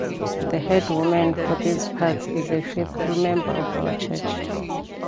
The head-woman for these parts is a faithful member of our church.